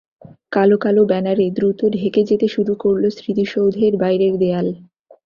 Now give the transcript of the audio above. কালো কালো ব্যানারে দ্রুত ঢেকে যেতে শুরু করল স্মৃতিসৌধের বাইরের দেয়াল।